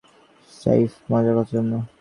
স্রেফ মজার জন্য।